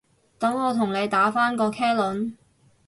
等我同你打返個茄輪